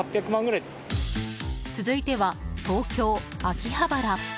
続いては、東京・秋葉原。